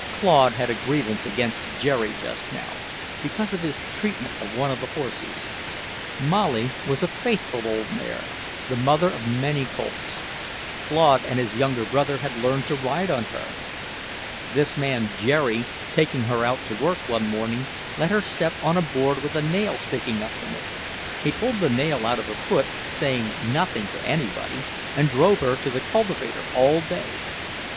Claude had a grievance against Jerry just now, because of his treatment of one of the horses. Molly was a faithful old mare, the mother of many colts; Claude and his younger brother had learned to ride on her. This man Jerry, taking her out to work one morning, let her step on a board with a nail sticking up in it. He pulled the nail out of her foot, said nothing to anybody, and drove her to the cultivator all day.